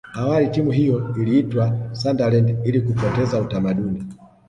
awali timu hiyo iliitwa sunderland ili kupoteza utamaduni